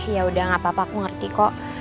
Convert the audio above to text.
yaudah gak apa apa aku ngerti kok